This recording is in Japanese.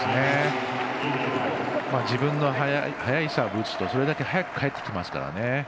自分の速いサーブを打つとそれだけ速く返ってきますからね。